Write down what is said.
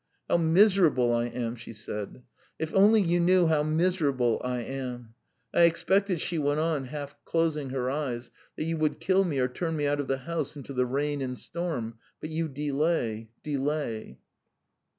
"How miserable I am!" she said. "If only you knew how miserable I am! I expected," she went on, half closing her eyes, "that you would kill me or turn me out of the house into the rain and storm, but you delay ... delay